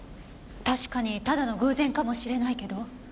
確かにただの偶然かもしれないけど。